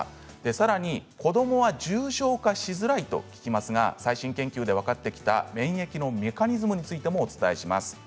さらに子どもは重症化しづらいと聞きますが最新研究で分かってきた免疫のメカニズムについてもお伝えしています。